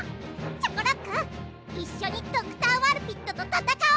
チョコロックいっしょにドクター・ワルピットとたたかおう！